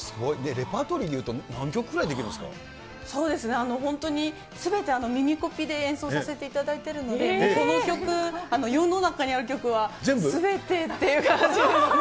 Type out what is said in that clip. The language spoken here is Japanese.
レパートリーでいうと、そうですね、本当にすべて耳コピで演奏させていただいているので、世の中にある曲はすべてっていう感じですね。